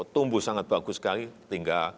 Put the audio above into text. tumbuh sangat bagus sekali